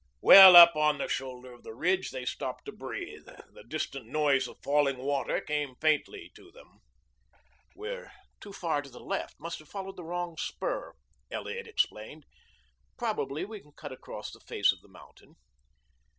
Well up on the shoulder of the ridge they stopped to breathe. The distant noise of falling water came faintly to them. "We're too far to the left must have followed the wrong spur," Elliot explained. "Probably we can cut across the face of the mountain."